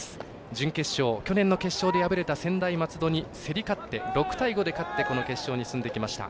準決勝、去年の決勝で敗れた専大松戸に６対５で競り勝ってこの決勝に進んできました。